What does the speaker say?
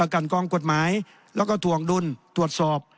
กันกองกฎหมายแล้วก็ถวงดุลตรวจสอบ